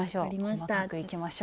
細かくいきましょう。